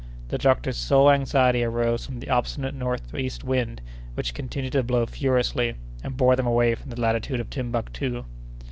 The doctor's sole anxiety arose from the obstinate northeast wind which continued to blow furiously, and bore them away from the latitude of Timbuctoo.